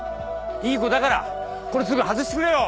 いい子だからこれすぐ外してくれよ。